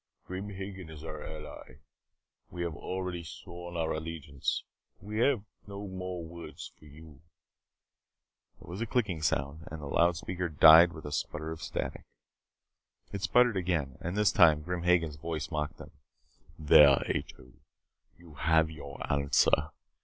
"Grim Hagen is our ally. We have already sworn our allegiance. I have no more words for you." There was a clicking sound and the loudspeaker died with a sputter of static. It sputtered again, and this time Grim Hagen's voice mocked them. "There, Ato. You have your answer.